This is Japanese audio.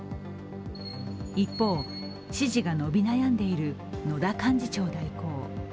一方、支持が伸び悩んでいる野田幹事長代行。